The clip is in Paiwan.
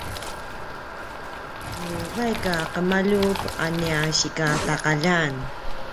nu vaik a qemaljup a nia sikataqaljan